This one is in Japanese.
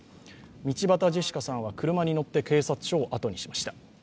道端ジェシカさんは車に乗って警察署をあとにしました。